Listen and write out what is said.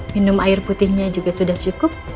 minum air putihnya juga sudah cukup